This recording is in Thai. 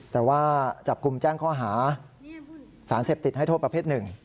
แต่ว่าจับกลุ่มแจ้งข้อหาสารเสพติดให้โทษประเภทหนึ่ง